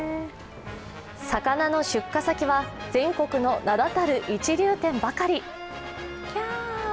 魚の出荷先は全国の名だたる一流店ばかり。